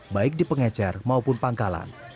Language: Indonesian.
baik di pengecer maupun pangkalan